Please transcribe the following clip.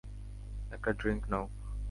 একটা ড্রিংক নাও।